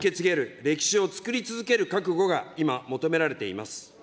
歴史をつくり続ける覚悟が今、求められています。